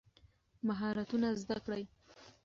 مهارتونه زده کړئ.